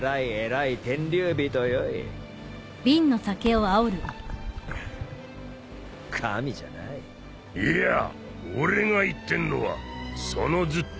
いや俺が言ってんのはそのずっと昔の話だ